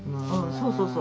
そうそうそう。